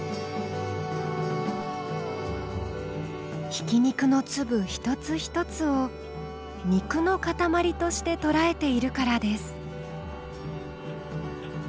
ひき肉の粒一つ一つを肉の塊としてとらえているからです。